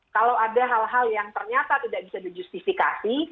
kalau ada hal hal yang ternyata tidak bisa dijustifikasi